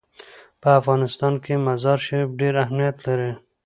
په افغانستان کې مزارشریف ډېر اهمیت لري.